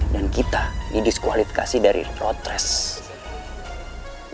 dan kita didiskualifikasi dari road trash